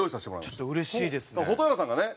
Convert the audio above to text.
ちょっとうれしいですね。